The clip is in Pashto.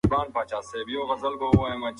د وروسته پاتي والي علتونه څه دي؟